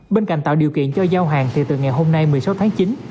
bên cạnh tạo điều kiện cho giao hàng thì từ ngày hôm nay một mươi sáu tháng chín